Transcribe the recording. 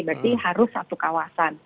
berarti harus satu kawasan